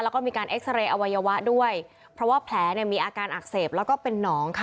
แล้วก็มีการเอ็กซาเรย์อวัยวะด้วยเพราะว่าแผลเนี่ยมีอาการอักเสบแล้วก็เป็นหนองค่ะ